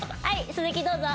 鈴木どうぞ。